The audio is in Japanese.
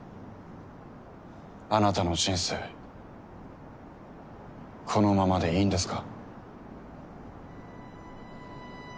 あなたの人生このままでいいんですか？